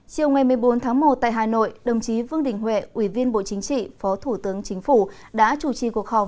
chiều ngày một mươi bốn tháng một tại hà nội đồng chí vương đình huệ ủy viên bộ chính trị phó thủ tướng chính phủ đã chủ trì cuộc họp